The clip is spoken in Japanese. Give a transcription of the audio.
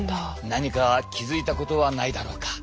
何か気付いたことはないだろうか？